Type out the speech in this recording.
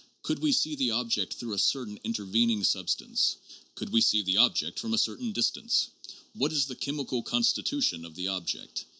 Could we see the object through a certain intervening substance ? Could we see the object from a cer tain distance? What is the chemical constitution of the object?